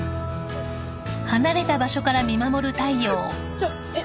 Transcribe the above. ちょえっ。